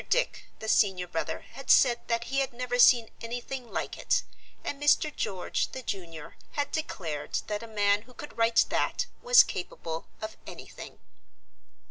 Dick, the senior brother, had said that he had never seen anything like it, and Mr. George, the junior, had declared that a man who could write that was capable of anything.